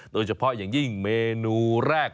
โดยเฉพาะอย่างยิ่งเมนูแรก